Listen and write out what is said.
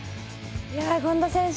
権田選手